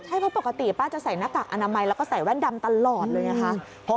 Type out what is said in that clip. ใช่เพราะปกติป้าจะใส่หน้ากากอนามัยแล้วก็ใส่แว่นดำตลอดเลยไงคะ